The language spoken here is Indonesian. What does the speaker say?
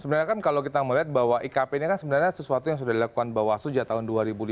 sebenarnya kan kalau kita melihat bahwa ikp ini kan sebenarnya sesuatu yang sudah dilakukan bawaslu ya tahun dua ribu lima belas